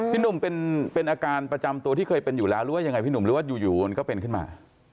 พี่หนุ่มเป็นอาการประจำตัวที่เคยเป็นอยู่แล้วหรือว่ายังไงพี่หนุ่มหรือว่าอยู่มันก็เป็นขึ้นมา